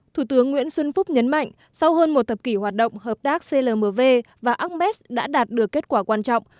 thủ tướng nguyễn xuân phúc nhấn mạnh sau hơn một thập kỷ hoạt động hợp tác clmv và ames đã đạt được kết quả quan trọng